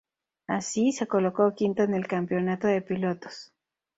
Así, se colocó quinto en el campeonato de pilotos.